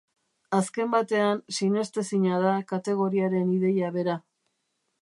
Azken batean, sinestezina da kategoriaren ideia bera.